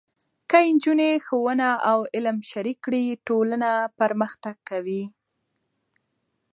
که نجونې ښوونه او علم شریک کړي، ټولنه پرمختګ کوي.